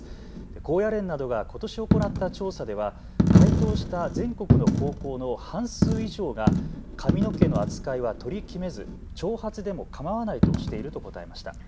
高野連などがことし行った調査では回答した全国の高校の半数以上が髪の毛の扱いは取り決めず長髪でもかまわないとしていると答えました。